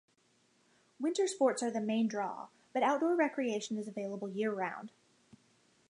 Winter sports are the main draw, but outdoor recreation is available year-round.